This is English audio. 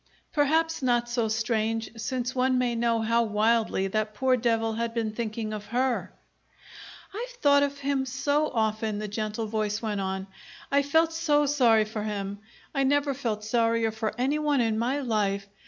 Perhaps not so strange, since one may know how wildly that poor devil had been thinking of her! "I've thought of him so often," the gentle voice went on. "I felt so sorry for him. I never felt sorrier for any one in my life.